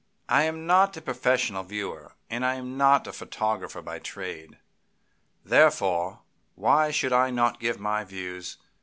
"I am not a professional viewer, and I am not a photographer by trade. Therefore, why should I not give my views?